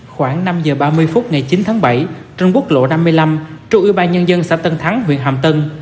khoảng năm h ba mươi phút ngày chín tháng bảy trong bức lộ năm mươi năm trung ưu ba nhân dân xã tân thắng huyện hàm tân